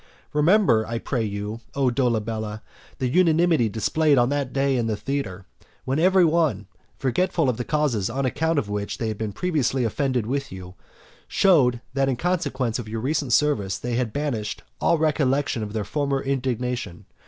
Remember, I pray you, O Dolabella, the unanimity displayed on that day in the theatre, when every one, forgetful of the causes on account of which they had been previously offended with you, showed that in consequence of your recent service they had banished all recollection of their former indignation.